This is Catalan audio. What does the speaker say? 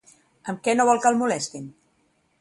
Amb què no vol que el molestin?